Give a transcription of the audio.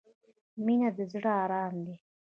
• مینه د زړۀ ارام دی.